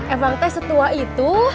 emang teh setua itu